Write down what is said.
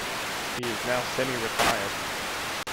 He is now semi-retired.